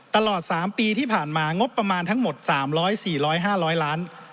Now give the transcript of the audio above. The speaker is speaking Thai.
ตลอด๓ปีที่ผ่านมางบประมาณทั้งหมด๓๐๐๔๐๐๕๐๐ล้าน